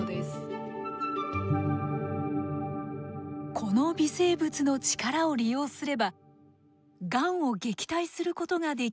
この微生物の力を利用すればがんを撃退することができるのではないか。